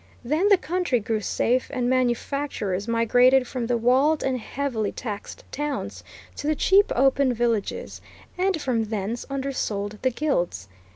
Then the country grew safe and manufactures migrated from the walled and heavily taxed towns to the cheap, open villages, and from thence undersold the guilds.